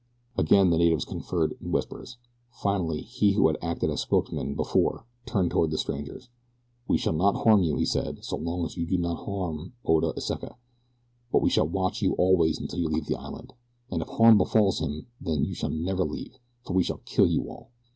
Again the natives conferred in whispers. Finally he who had acted as spokesman before turned toward the strangers. "We shall not harm you," he said, "so long as you do not harm Oda Iseka; but we shall watch you always until you leave the island, and if harm befalls him then shall you never leave, for we shall kill you all."